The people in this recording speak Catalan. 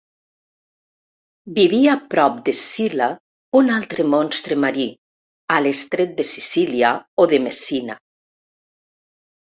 Vivia prop d'Escil·la, un altre monstre marí, a l'estret de Sicília o de Messina.